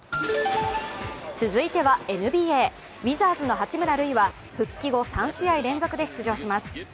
続いてはＮＢＡ、ウィザーズの八村塁は復帰後、３試合連続で出場します。